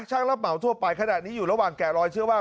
รับเหมาทั่วไปขณะนี้อยู่ระหว่างแกะรอยเชื่อว่า